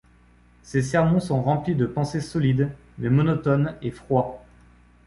Ses sermons sont remplis de pensées solides, mais monotones et froids.